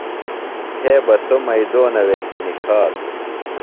تھے بہ سوۡ مئیدونہ وے تھےۡ نِکھاتوۡ